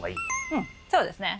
うんそうですね。